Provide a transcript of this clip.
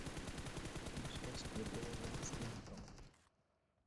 هیچ کس گربه را لمس نمی کند.